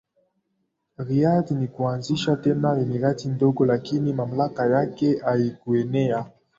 Riyad na kuanzisha tena emirati ndogo lakini mamlaka yake haikuenea